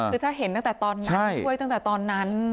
คือถ้าเห็นตั้งแต่ตอนนั้นช่วยตั้งแต่ตอนนั้น